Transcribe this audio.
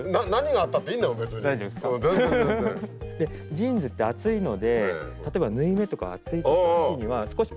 ジーンズって厚いので例えば縫い目とか厚い所には少し。